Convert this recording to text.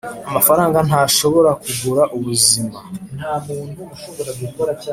amafaranga ntashobora kugura ubuzima.